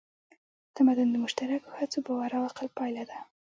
تمدن د مشترکو هڅو، باور او عقل پایله ده.